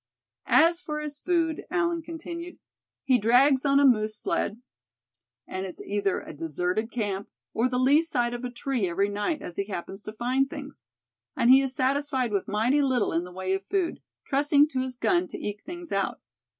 "As for his food," Allan continued, "he drags on a moose sled, and it's either a deserted camp, or the lee side of a tree every night, as he happens to find things. And he is satisfied with mighty little in the way of food, trusting to his gun to eke things out.